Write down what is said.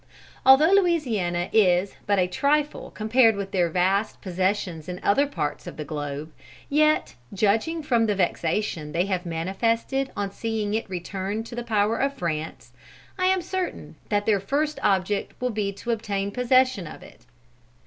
Although Louisiana is but a trifle compared with their vast possessions in other parts of the globe, yet, judging from the vexation they have manifested on seeing it return to the power of France, I am certain that their first object will be to obtain possession of it.